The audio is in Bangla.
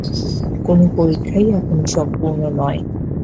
কোন পরীক্ষাই এখনও সম্পূর্ণ নয়।